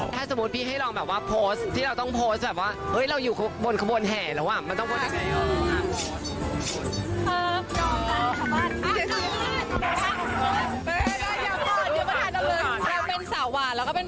แต่ถ้าสมมติพี่ให้เรามาแบบว่าโพสต์ที่เราต้องโพสต์แบบว่าเอ๊ยเราอยู่ข้างบนแหลหรือว่ามันต้องโพสต์อยู่ไหน